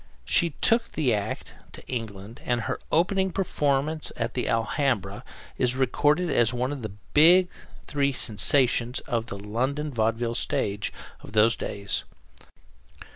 She took the act to England and her opening performance at the Alhambra is recorded as one of the three big sensations of the London vaudeville stage of those days.